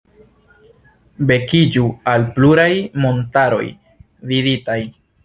Vekiĝu al pluraj montaroj viditaj.